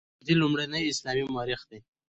مسعودي لومړنی اسلامي مورخ دی.